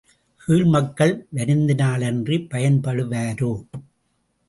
கீழ் மக்கள் வருத்தினாலன்றிப் பயன்படுவரோ?